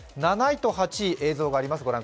７位と８位、映像があります。